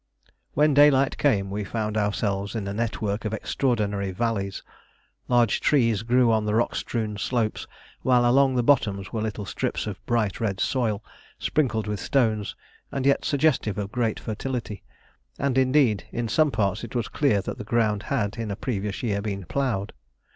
When daylight came, we found ourselves in a network of extraordinary valleys. Large trees grew on the rock strewn slopes, while along the bottoms were little strips of bright red soil, sprinkled with stones, and yet suggestive of great fertility; and indeed in some parts it was clear that the ground had in a previous year been ploughed.